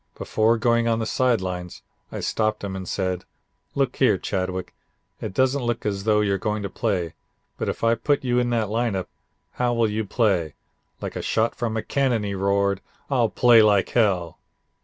Before going on the side lines I stopped him and said: 'Look here, Chadwick. It doesn't look as though you're going to play, but if I put you in that lineup how will you play?' Like a shot from a cannon he roared: 'I'll play like hell.'